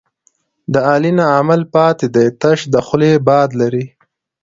د علي نه عمل پاتې دی، تش د خولې باد لري.